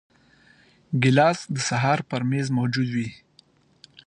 ګیلاس د سهار پر میز موجود وي.